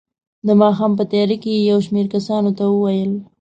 د ماښام په تیاره کې یې یو شمېر کسانو ته وویل.